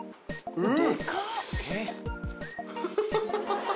うん！